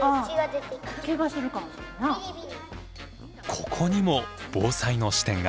ここにも防災の視点が。